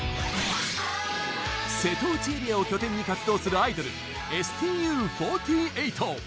瀬戸内エリアを拠点に活動するアイドル、ＳＴＵ４８。